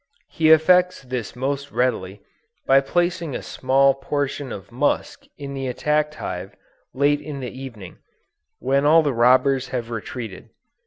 He effects this most readily, by placing a small portion of musk in the attacked hive, late in the evening, when all the robbers have retreated.